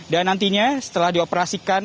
dan nantinya setelah dioperasikan